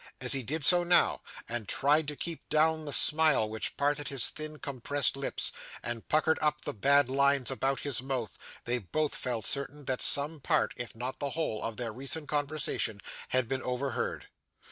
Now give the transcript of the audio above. As he did so now, and tried to keep down the smile which parted his thin compressed lips, and puckered up the bad lines about his mouth, they both felt certain that some part, if not the whole, of their recent conversation, had been overheard.